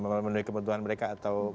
memenuhi kebutuhan mereka atau